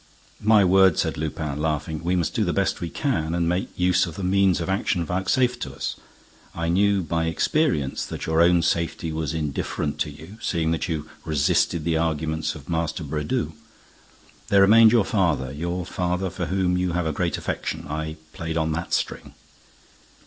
"My word," said Lupin laughing, "we must do the best we can and make use of the means of action vouchsafed to us. I knew by experience that your own safety was indifferent to you, seeing that you resisted the arguments of Master Brédoux. There remained your father—your father for whom you have a great affection—I played on that string."